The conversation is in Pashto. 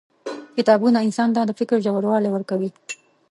• کتابونه انسان ته د فکر ژوروالی ورکوي.